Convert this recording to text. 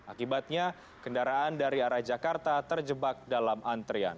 akibatnya kendaraan dari arah jakarta terjebak dalam antrian